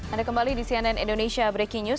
anda kembali di cnn indonesia breaking news